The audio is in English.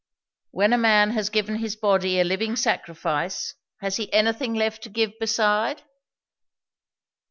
"When a man has given his body a living sacrifice, has he anything left to give beside?"